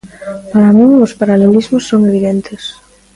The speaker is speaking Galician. Para min, os paralelismos son evidentes...